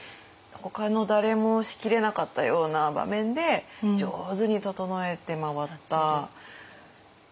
ほかの誰も仕切れなかったような場面で上手に整えて回った欠かせない人。